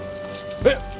えっ！？